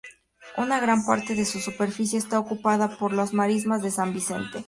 Una gran parte de su superficie está ocupada por las marismas de San Vicente.